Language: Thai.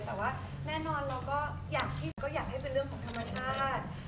แต่ว่าแน่นอนเราก็อยากคิดก็อยากให้เป็นเรื่องของธรรมชาติ